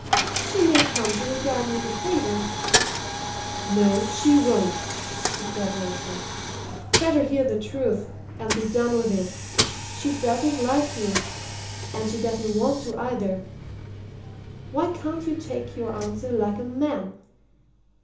"She may come to regard me with favour." "No, she won't!" declared Ransford. "Better hear the truth, and be done with it. She doesn't like you and she doesn't want to, either. Why can't you take your answer like a man?"